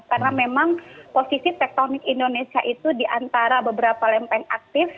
karena memang posisi tektonik indonesia itu diantara beberapa lempeng aktif